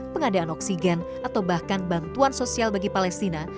pengadaan oksigen atau bahkan bantuan sosial bagi palestina